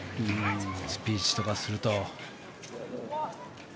スピーチとかすると。